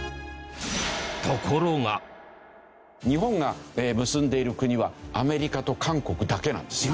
日本が結んでいる国はアメリカと韓国だけなんですよ。